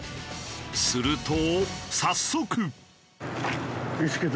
すると早速。